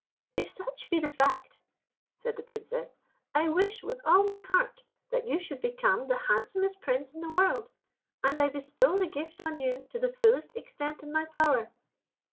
"If such be the fact," said the Princess, "I wish, with all my heart, that you should become the handsomest Prince in the world, and I bestow the gift on you to the fullest extent in my power."